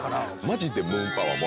マジで。